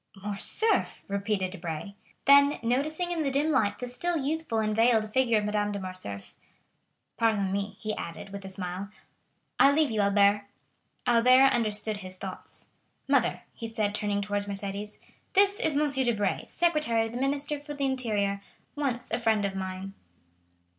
"Morcerf!" repeated Debray. Then noticing in the dim light the still youthful and veiled figure of Madame de Morcerf: "Pardon me," he added with a smile, "I leave you, Albert." Albert understood his thoughts. "Mother," he said, turning towards Mercédès, "this is M. Debray, secretary of the Minister for the Interior, once a friend of mine."